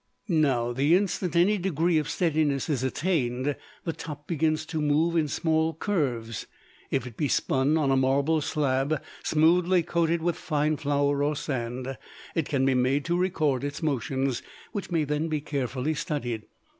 Now, the instant any degree of steadiness is attained, the top begins to move in small curves. If it be spun on a marble slab smoothly coated with fine flour or sand, it can be made to record its motions, which may then be carefully studied.